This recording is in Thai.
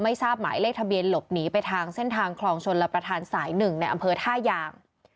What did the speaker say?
ทราบหมายเลขทะเบียนหลบหนีไปทางเส้นทางคลองชนรับประทานสาย๑ในอำเภอท่ายาง